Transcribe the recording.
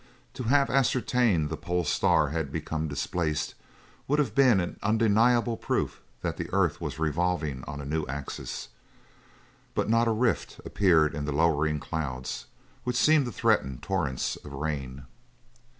To have ascertained that the pole star had become displaced would have been an undeniable proof that the earth was revolving on a new axis; but not a rift appeared in the lowering clouds, which seemed to threaten torrents of rain.